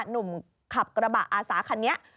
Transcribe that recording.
หนุ่มขับกระบะอาสาคันนี้